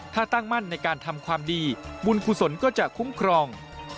ถ้าตั้งมั่นในการทำความดีบุญกุศลก็จะคุ้มครอง